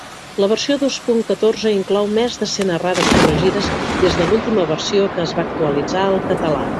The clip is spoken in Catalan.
La versió dos punt catorze inclou més de cent errades corregides des de l'última versió que es va actualitzar al català.